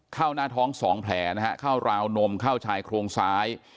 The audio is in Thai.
หน้าท้อง๒แผลนะฮะเข้าราวนมเข้าชายโครงซ้าย